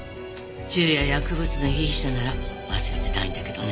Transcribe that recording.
銃や薬物の被疑者なら忘れてないんだけどね。